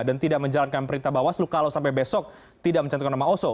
dan tidak menjalankan perintah bawaslu kalau sampai besok tidak mencantumkan nama oso